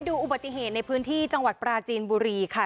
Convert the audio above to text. วันนี้เราจะไปดูอุบัติเหตุในพื้นที่จังหวัดปราจีนบุรีค่ะ